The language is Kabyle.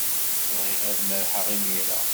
Bɣiɣ ad merrḥeɣ imir-a.